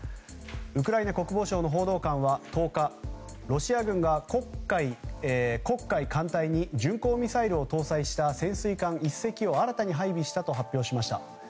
ウクライナ国防省の報道官は１０日ロシア軍が黒海艦隊に巡行ミサイルを搭載した潜水艦１隻を新たに配備したと発表しました。